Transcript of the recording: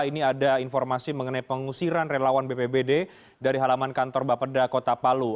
ini ada informasi mengenai pengusiran relawan bpbd dari halaman kantor bapeda kota palu